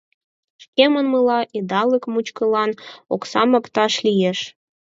Шке манмыла, идалык мучкылан оксам опташ лиеш.